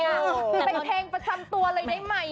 คือเป็นเพลงประจำตัวเลยได้ไหม